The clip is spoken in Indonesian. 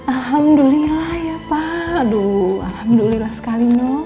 alhamdulillah ya pak aduh alhamdulillah sekali